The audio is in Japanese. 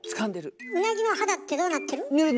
ウナギの肌ってどうなってる？